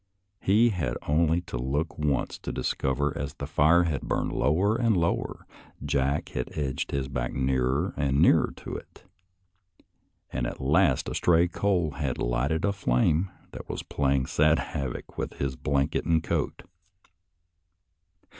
He had only to look once to discover that as the fire had burned lower and lower. Jack had edged his back nearer and nearer to it, and at last a stray coal had lighted a fiame that was playing sad havoc with his blanket and coat.